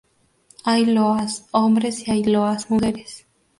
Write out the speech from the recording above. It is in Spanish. Hay loas hombres y hay loas mujeres.